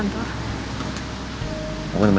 kita mau ke kantor